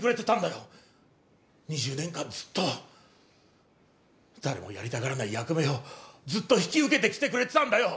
２０年間ずっと誰もやりたがらない役目をずっと引き受けてきてくれてたんだよ。